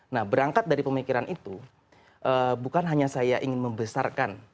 nah berangkat dari pemikiran itu bukan hanya saya ingin membesarkan